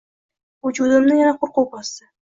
Vujudimni yana qo‘rquv bosdi.